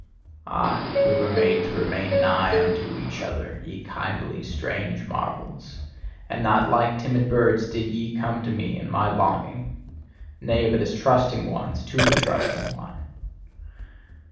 Ah, we were made to remain nigh unto each other, ye kindly strange marvels; and not like timid birds did ye come to me and my longing nay, but as trusting ones to a trusting one!